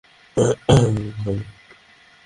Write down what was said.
বিদায় বলা ছাড়া চলে আসা উচিৎ হয়নি।